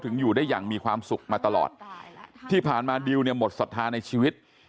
อยู่ได้อย่างมีความสุขมาตลอดที่ผ่านมาดิวเนี่ยหมดศรัทธาในชีวิต